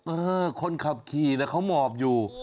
เออคนขับขี่นะเขาหมอบอยู่